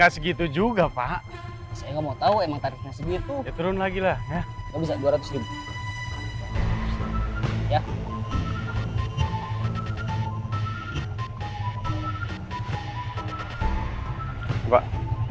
kasih gitu juga pak saya mau tahu emang tarifnya segitu turun lagi lah ya bisa dua ratus ya pak